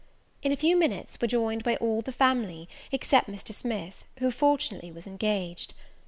In a few minutes were joined by all the family, except Mr. Smith, who fortunately was engaged.